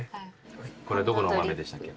これどこの豆でしたっけ？